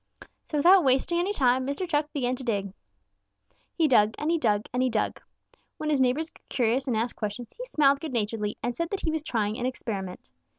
"So without wasting any time, Mr. Chuck began to dig. He dug and he dug and he dug. When his neighbors grew curious and asked questions, he smiled good naturedly and said that he was trying an experiment.